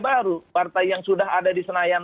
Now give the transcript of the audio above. baru partai yang sudah ada di senayan